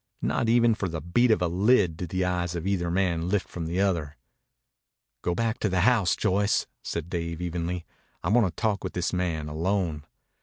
Not even for the beat of a lid did the eyes of either man lift from the other. "Go back to the house, Joyce," said Dave evenly. "I want to talk with this man alone."